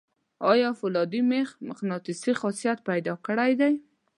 آیا فولادي میخ مقناطیسي خاصیت پیدا کړی دی؟